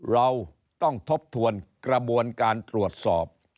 เราต้องทบทวนกระบวนการตรวจสอบ